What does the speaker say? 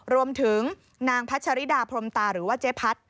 รวมถึงนางพัชริดาพรมตาหรือว่าเจ๊พัด